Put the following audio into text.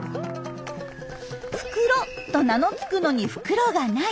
「フクロ」と名の付くのに袋が無い。